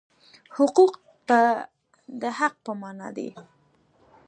حقوق د حق په مانا دي.